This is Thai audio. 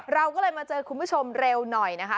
เราก็เลยมาเจอคุณผู้ชมเร็วหน่อยนะคะ